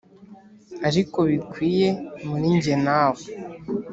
ariko bikwiye muri njye nawe.